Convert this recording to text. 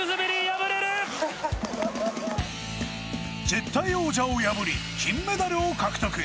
絶対王者を破り金メダルを獲得